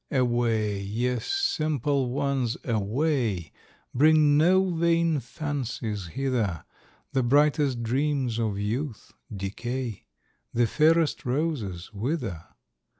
Away, ye simple ones, away! Bring no vain fancies hither; The brightest dreams of youth decay, The fairest roses wither.